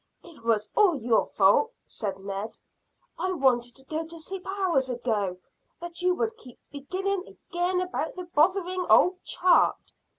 "It was all your fault," said Ned. "I wanted to go to sleep hours ago, but you would keep beginning again about the bothering old chart."